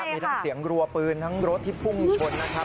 มีทั้งเสียงรัวปืนทั้งรถที่พุ่งชนนะครับ